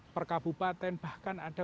perkabupaten bahkan ada